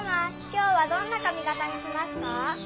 今日はどんな髪形にしますか？